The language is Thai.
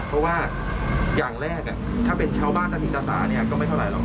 เพราะว่าอย่างแรกถ้าเป็นชาวบ้านตะถิตอาสาเนี่ยก็ไม่เท่าไหรอ